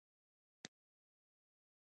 په دې منځ کې خلوص ته اړتیا نشته.